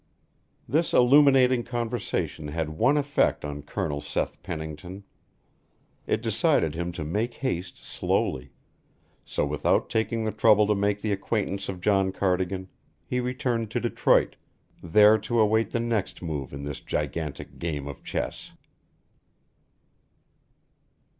This illuminating conversation had one effect on Colonel Seth Pennington. It decided him to make haste slowly; so without taking the trouble to make the acquaintance of John Cardigan, he returned to Detroit, there to await the next move in this gigantic game of chess.